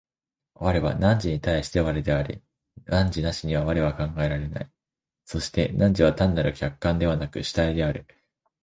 我は汝に対して我であり、汝なしには我は考えられない、そして汝は単なる客観でなく主体である。